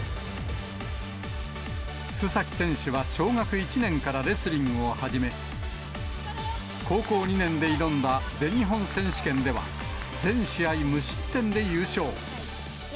須崎選手は小学１年からレスリングを始め、高校２年で挑んだ全日本選手権では、全試合無失点で優勝。